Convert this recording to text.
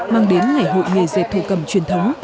mang đến ngày hội nghề dẹp thủ cầm truyền thống